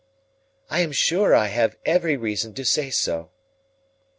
"I am sure I have every reason to say so."